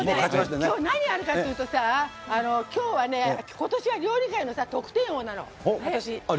今日、何あるかというと今年は料理界の得点王なの、私。